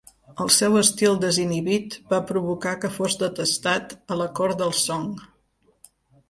El seu estil desinhibit va provocar que fos detestat a la cort dels Song.